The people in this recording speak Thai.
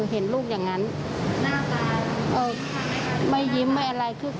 เห็นลูกอย่างนั้นไม่ยิ้มไม่อะไร